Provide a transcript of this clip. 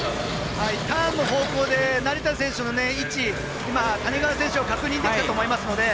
ターンの方向で成田選手の位置谷川選手を確認できたと思います。